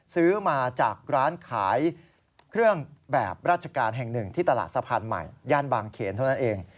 ซื้อมาจากร้านขายเครื่องแบบราชการแห่งหนึ่งที่ตลาดสะพานใหม่ย่านบางเขนเท่านั้นเอง